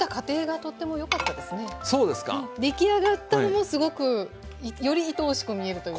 出来上がったのもすごくよりいとおしく見えるというか。